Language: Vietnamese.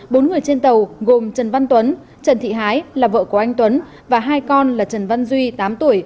bốn người trên tàu gồm trần văn tuấn trần thị hái là vợ của anh tuấn và hai con là trần văn duy tám tuổi